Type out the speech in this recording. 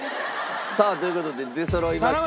さあという事で出そろいました。